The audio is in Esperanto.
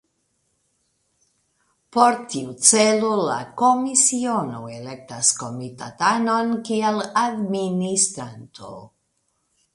Por tiu celo la Komisiono elektas Komitatanon kiel Administranto.